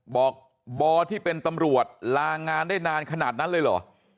บอกบอที่เป็นตำรวจลางานได้นานขนาดนั้นเลยเหรอ